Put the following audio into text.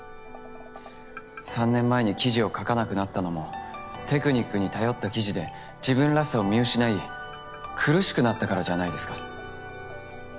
３年前に記事を書かなくなったのもテクニックに頼った記事で自分らしさを見失い苦しくなったからじゃないですか？